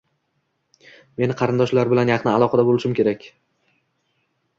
- Men qarindoshlar bilan yaqin aloqada bo'lishim kerak